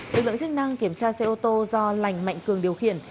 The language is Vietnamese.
lực lượng chức năng kiểm tra xe ô tô do lành mạnh cường điều khiển